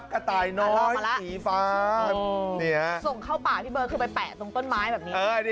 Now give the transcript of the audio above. เมื่อส่งสถ้าได้ไปแปะต้นไมท์